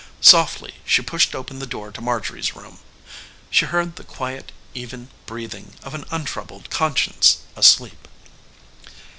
Softly she pushed open the door to Marjorie's room. She heard the quiet, even breathing of an untroubled conscience asleep.